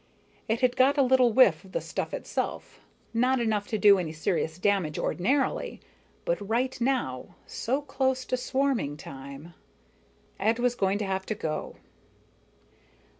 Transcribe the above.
It had got a little whiff of the stuff itself, not enough to do any serious damage ordinarily, but right now, so close to swarming time Ed was going to have to go.